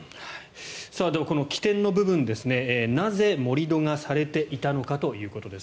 では、この起点の部分なぜ、盛り土がされていたのかということです。